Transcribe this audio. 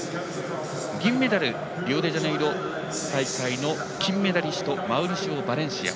銀メダルリオデジャネイロ大会の金メダリストマウリシオ・バレンシア。